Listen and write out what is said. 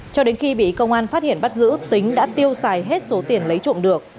cho đến khi bị công an phát hiện bắt giữ tính đã tiêu xài hết số tiền lấy trộm được